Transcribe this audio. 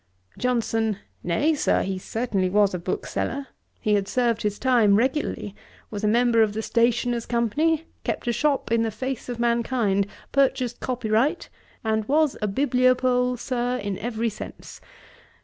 JOHNSON. 'Nay, Sir; he certainly was a bookseller. He had served his time regularly, was a member of the Stationers' company, kept a shop in the face of mankind, purchased copyright, and was a bibliopole, Sir, in every sense.